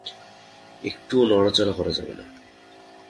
একটুও নড়াচড়া করা যাবে না।